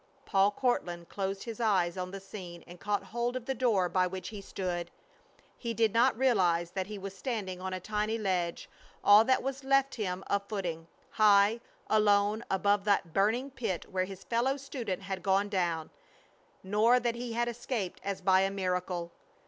Paul Courtland closed his eyes on the scene, and caught hold of the door by which he stood. He did not realize that he was standing on a tiny ledge, all that was left him of footing, high, alone, above that burning pit where his fellow student had gone down; nor that he had escaped as by a miracle.